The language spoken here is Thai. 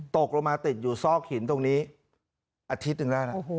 ตกลงมาติดอยู่ซอกหินตรงนี้อาทิตย์หนึ่งแล้วนะ